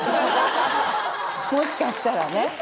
もしかしたらね。